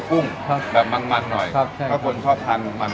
กุ้งครับแบบมันมันหน่อยครับใช่ถ้าคนชอบทานมัน